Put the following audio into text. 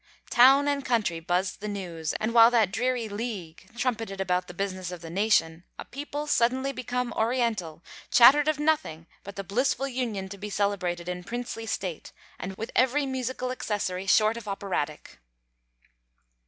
Town and country buzzed the news; and while that dreary League trumpeted about the business of the nation, a people suddenly become Oriental chattered of nothing but the blissful union to be celebrated in princely state, with every musical accessory, short of Operatic.